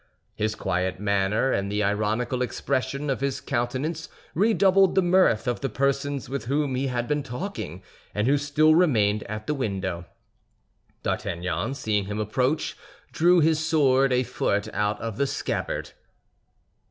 His quiet manner and the ironical expression of his countenance redoubled the mirth of the persons with whom he had been talking, and who still remained at the window. D'Artagnan, seeing him approach, drew his sword a foot out of the scabbard.